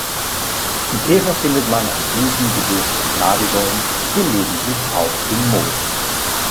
Die Käfer findet man auf Blüten, Gebüsch, und Nadelbäumen, gelegentlich auch in Moos.